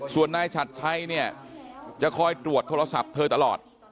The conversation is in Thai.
ส่วนนายฉัดชัยเนี่ยจะคอยตรวจโทรศัพท์เธอตลอด